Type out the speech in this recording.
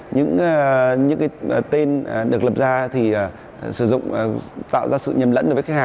những tên được lập ra thì tạo ra sự nhầm lẫn với khách hàng